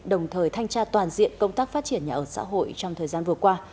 đồng thời thanh tra toàn diện công tác phát triển nhà ở xã hội trong thời gian vừa qua